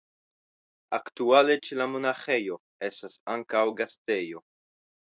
Aktuale ĉe la monaĥejo estas ankaŭ gastejo.